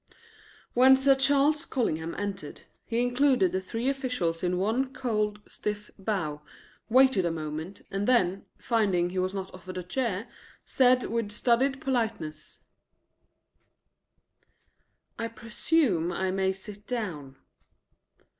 When Sir Charles Collingham entered, he included the three officials in one cold, stiff bow, waited a moment, and then, finding he was not offered a chair, said with studied politeness: "I presume I may sit down?"